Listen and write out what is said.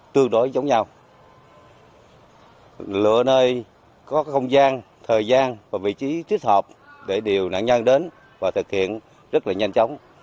thời gian và vị trí trích hợp để điều nạn nhân đến và thực hiện rất là nhanh chóng